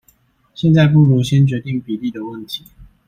現在不如先決定比例的問題